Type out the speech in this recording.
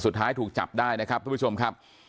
สุดท้ายถูกจับได้นะครับทุกผู้ชมครับ